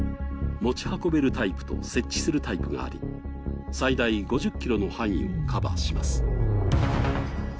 持ち運べるタイプと設置するタイプがあり、最大５０ｋｇの範囲をカバーします。